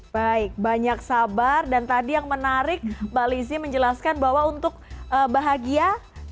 baik banyak sabar dan tadi yang menarik mbak lizzie menjelaskan bahwa untuk bahagia